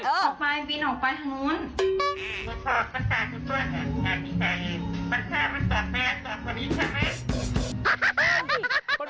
ออกไปวินออกไปทางนู้น